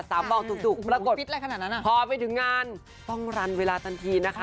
สามรองดุกแล้วกดพอไปถึงงานต้องรันเวลาตันทีนะคะ